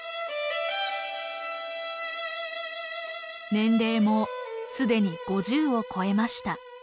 年齢も既に５０を超えました。